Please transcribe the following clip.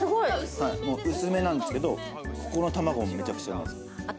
薄めなんですけれど、ここの卵もめちゃくちゃうまい。